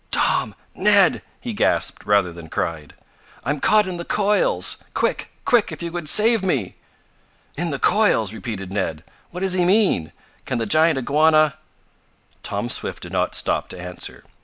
"Tom! Ned!" he gasped, rather than cried. "I'm caught in the coils! Quick quick if you would save me!" "In the coils!" repeated Ned. "What does he mean? Can the giant iguana " Tom Swift did not stop to answer.